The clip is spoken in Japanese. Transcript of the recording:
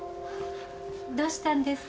どうしたんですか？